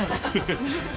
フフ。